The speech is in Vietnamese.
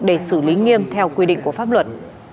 để xử lý nghiêm theo quy định của pháp luật